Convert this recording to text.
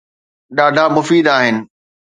ڏاڍا مفيد آهن